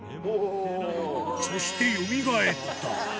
そして、よみがえった。